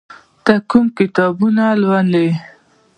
ته کوم کتابونه ولې؟